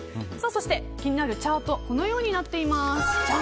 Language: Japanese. そして気になるチャートはこのようになっています。